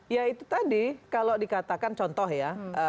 ya itu tadi kalau dikatakan contoh ya